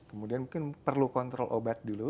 kemudian mungkin perlu kontrol obat dulu gitu ya